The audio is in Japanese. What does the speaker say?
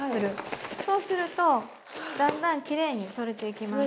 そうするとだんだんきれいに取れていきます。